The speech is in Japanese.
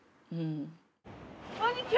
こんにちは。